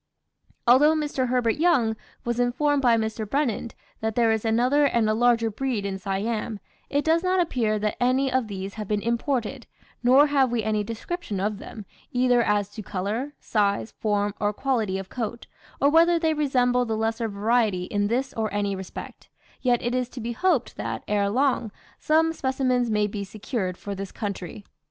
Although Mr. Herbert Young was informed by Mr. Brennand that there is another and a larger breed in Siam, it does not appear that any of these have been imported; nor have we any description of them, either as to colour, size, form, or quality of coat, or whether they resemble the lesser variety in this or any respect, yet it is to be hoped that, ere long, some specimens may be secured for this country.